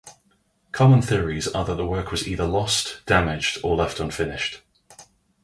Common theories are that the work was either lost, damaged, or left unfinished.